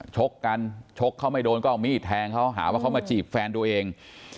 ชกกันชกเขาไม่โดนก็เอามีดแทงเขาหาว่าเขามาจีบแฟนตัวเอง